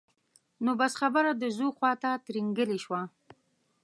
بس نو خبره د ځو خواته ترینګلې شوه.